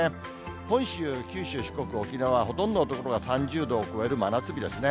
本州、九州、四国、沖縄、ほとんどの所が３０度を超える真夏日ですね。